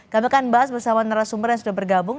kami akan bahas bersama narasumber yang sudah bergabung